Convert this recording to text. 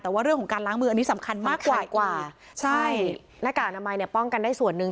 แต่ว่าเรื่องของการล้างมืออันนี้สำคัญมากกว่ากว่าใช่หน้ากากอนามัยเนี่ยป้องกันได้ส่วนหนึ่ง